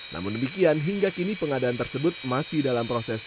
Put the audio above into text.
namun demikian hingga kini pengadaan tersebut masih dalam proses